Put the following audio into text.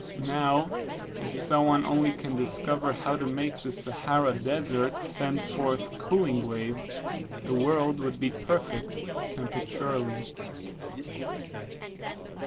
Now if some one only can discover how to make the Sahara Desert send forth cooling waves, the world will be perfect, temperaturally.